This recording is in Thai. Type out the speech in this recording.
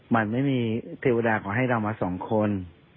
มันไม่มีเทวดาขอให้เรามาสองคน